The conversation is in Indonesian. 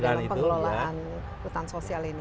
dalam pengelolaan hutan sosial ini